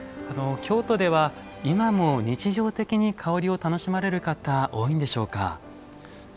京都では、今も日常的に香りを楽しまれる方多いんでしょうか。